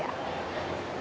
saya juga suka sambal